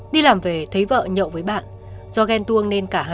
đi làm về thấy vợ nhậu với bạn